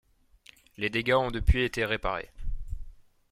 Les dégâts ont depuis été réparés.